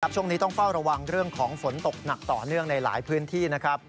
ช่วงนี้ต้องเฝ้าระวังเรื่องของฝนตกหนักต่อเนื่องในหลายพื้นที่นะครับ